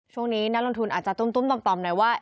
ช่วงนี้นักลงทุนอาจจะตุ้มต่อมหน่อยว่า